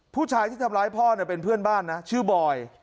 ผู้ชายที่ทำร้ายพ่อเป็นเพื่อนบ้านนะชื่อบอย